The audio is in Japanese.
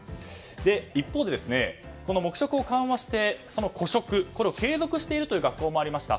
一方でこの黙食を緩和して個食を継続している学校もありました。